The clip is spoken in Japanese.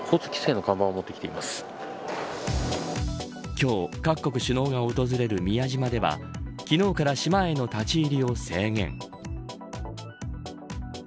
今日、各国首脳が訪れる宮島では昨日から島への立ち入りを制限。